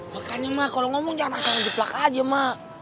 makanya mak kalo ngomong jangan asal asal jeplak aja mak